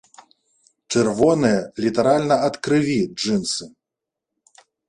Чырвоныя літаральна ад крыві джынсы.